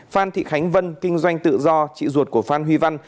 phan thị khánh vân kinh doanh tự do chị ruột của phan huy văn